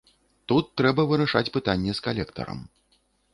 Тут трэба вырашаць пытанне з калектарам.